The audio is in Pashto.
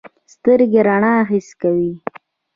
سترګې رڼا حس کوي.